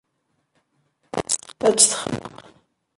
Ad tt-texneq.